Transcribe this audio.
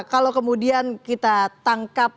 kalau kemudian kita tangkap